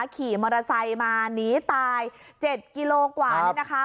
ขี่มอเตอร์ไซค์มาหนีตาย๗กิโลกว่านี่นะคะ